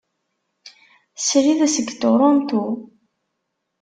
Srid seg Toronto.